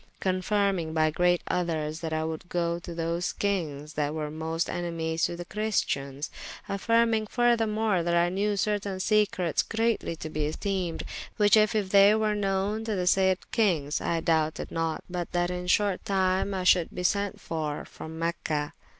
Confyrmyng by great othes, that I would goe to those kinges that were most enemies to the Christians: affyrmyng furthermore, that I knewe certain secretes greatly to be esteemed, which if they were knowen to the sayde kynges, I doubted not but that in shorte tyme I should bee sent for from Mecha.